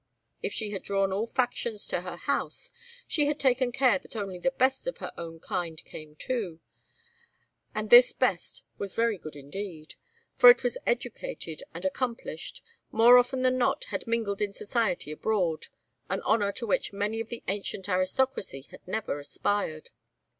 If she had drawn all factions to her house she had taken care that only the best of her own kind came too, and this best was very good indeed; for it was educated and accomplished, more often than not had mingled in society abroad; an honor to which many of the ancient aristocracy had never aspired.